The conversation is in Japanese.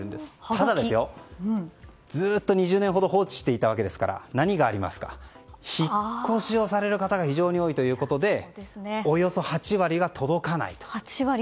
ただ、ずっと２０年ほど放置していたわけですから引っ越しをされる方が非常に多いということでおよそ８割が届かないと。